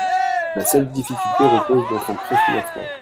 La seule difficulté repose dans son préfinancement.